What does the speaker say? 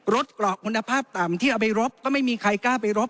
กรอกคุณภาพต่ำที่เอาไปรบก็ไม่มีใครกล้าไปรบ